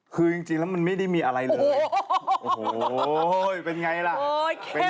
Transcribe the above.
คือยังจริงแล้วมันไม่ได้มีอะไรเลยโอ้โหเป็นไงล่ะเป็นไงล่ะโอ๋โหโอ้โหเห็นไหมเลยอ่ะ